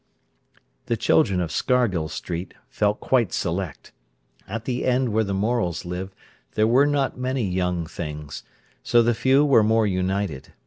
The children of Scargill Street felt quite select. At the end where the Morels lived there were not many young things. So the few were more united.